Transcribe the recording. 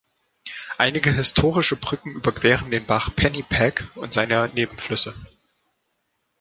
Einige historische Brücken überqueren den Bach Pennypack und seine Nebenflüsse.